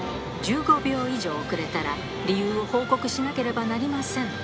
１５秒以上遅れたら理由を報告しなければなりません